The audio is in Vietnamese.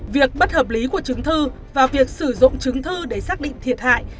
việc bất hợp lý của chứng thư và việc sử dụng chứng thư để xác định thiệt hại